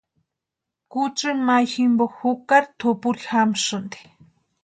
Kutsï mayuni jimpo jukati tʼurupuri jamasïnti.